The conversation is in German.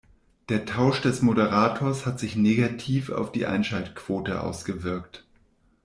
Der Tausch des Moderators hat sich negativ auf die Einschaltquote ausgewirkt.